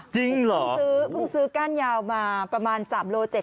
พึ่งซื้อก้านยาวมาประมาณ๓โลเจ็ด